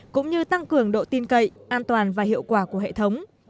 cũng như tăng cường độ tin cậy an toàn và hiệu quả của hệ thống